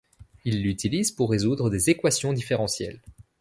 Il l'utilise pour résoudre des équations différentielles.